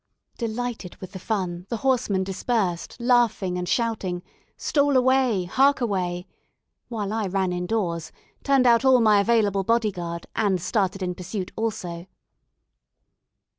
Delighted with the fun, the horsemen dispersed, laughing and shouting "Stole away! hark away!" while I ran indoors, turned out all my available body guard, and started in pursuit also.